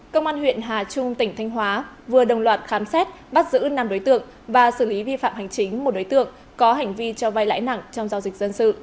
công an huyện hà trung tỉnh thanh hóa vừa đồng loạt khám xét bắt giữ năm đối tượng và xử lý vi phạm hành chính một đối tượng có hành vi cho vai lãi nặng trong giao dịch dân sự